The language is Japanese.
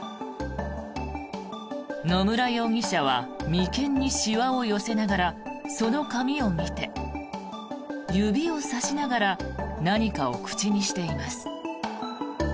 野村容疑者は眉間にシワを寄せながらその紙を見て、指を差しながら何かを口にしています。